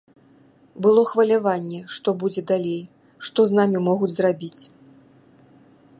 Было хваляванне, што будзе далей, што з намі могуць зрабіць.